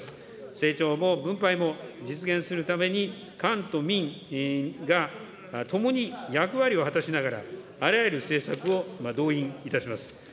成長も分配も実現するために、官と民が共に役割を果たしながら、あらゆる政策を動員いたします。